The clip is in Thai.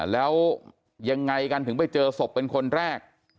แล้วยังไงกันถึงไปเจอศพเป็นคนแรก